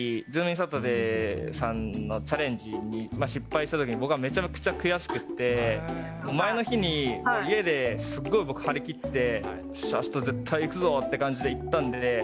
サタデーさんのチャレンジに失敗したときに、僕はめちゃくちゃ悔しくて、前の日に家ですごい僕張り切って、よっしゃ、あした絶対いくぞっていう感じでいったんで。